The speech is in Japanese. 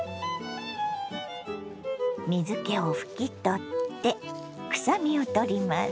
水けを拭き取って臭みをとります。